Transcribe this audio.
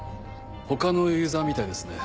他のユーザーみたいですね。